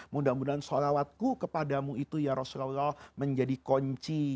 mudah mudahan sholawatku kepadamu itu ya rasulullah menjadi kunci